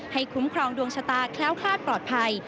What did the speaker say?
คุ้มครองดวงชะตาแคล้วคลาดปลอดภัย